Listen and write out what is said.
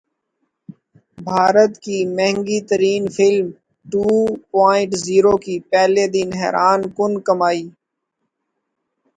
بھارت کی مہنگی ترین فلم ٹو پوائنٹ زیرو کی پہلے دن حیران کن کمائی